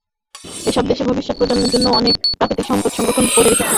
এসব দেশ ভবিষ্যৎ প্রজন্মের জন্য অনেক প্রাকৃতিক সম্পদ সংরক্ষণ করে রেখেছে।